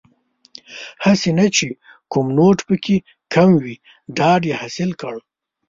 هسې نه چې کوم نوټ پکې کم وي ډاډ یې حاصل کړ.